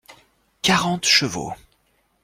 Quarante chevaux.